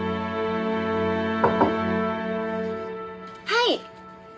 はい。